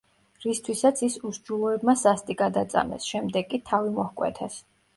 რისთვისაც ის უსჯულოებმა სასტიკად აწამეს, შემდეგ კი თავი მოჰკვეთეს.